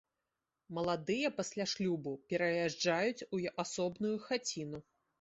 Маладыя пасля шлюбу пераязджаюць у асобную хаціну.